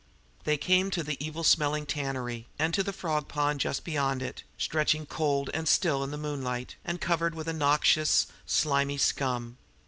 They came to the evil smelling tannery, and to the frog pond just behind it, stretching cold and still in the moonlight, and covered with a noxious, slimy scum.